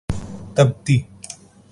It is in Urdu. تبتی